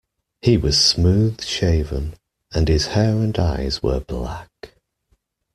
He was smooth-shaven, and his hair and eyes were black.